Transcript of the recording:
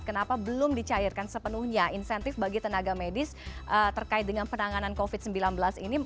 kenapa belum dicairkan sepenuhnya insentif bagi tenaga medis terkait dengan penanganan covid sembilan belas ini